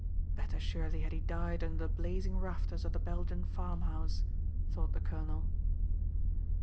"Better, surely, had he died under the blazing rafters of the Belgian farmhouse," thought the colonel.